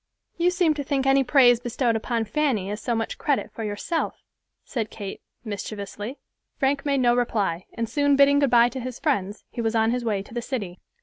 "You seem to think any praise bestowed upon Fanny as so much credit for yourself," said Kate, mischievously. Frank made no reply, and soon bidding good by to his friends, he was on his way to the city.